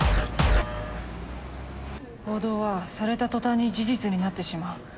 報道はされた途端に事実になってしまう。